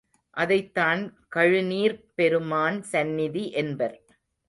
அதைத் தான் கழுநீர்ப் பெருமான் சந்நிதி என்பர்.